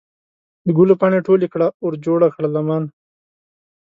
د ګلو پاڼې ټولې کړه ورجوړه کړه لمن